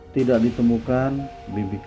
tidak ditemukan bimbi karset